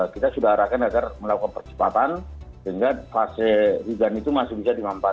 kita sudah arahkan agar melakukan percepatan sehingga fase hujan itu masih bisa dimampati